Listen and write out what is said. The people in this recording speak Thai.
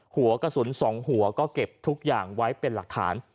หัวกระสุน๒หัวก็เก็บทุกอย่างไว้เป็นหลักฐาน